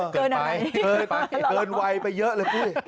เกินเวลาไปเยอะเลย